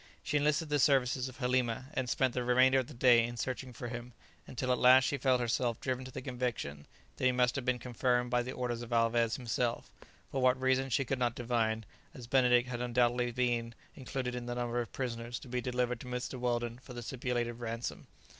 She enlisted the services of Halima, and spent the remainder of the day in searching for him, until at last she felt herself driven to the conviction that he must have been confined by the orders of Alvez himself; for what reason she could not divine, as Benedict had undoubtedly been included in the number of prisoners to be delivered to Mr. Weldon for the stipulated ransom.